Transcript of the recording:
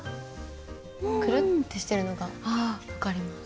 くるってしてるのが分かります。